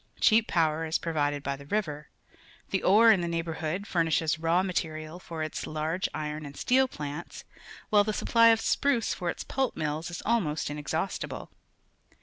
Cheap power is provided by the river. The ore in the neighbourhood furnishes raw material for its large iron and steel plants, while the supply of spruce for its pulp mills is almost inexhaustible.